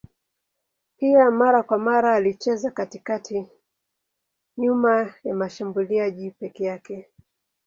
Pia mara kwa mara alicheza katikati nyuma ya mshambuliaji peke yake.